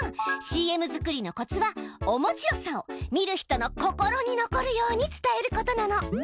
ＣＭづくりのコツはおもしろさを見る人の心に残るように伝えることなの。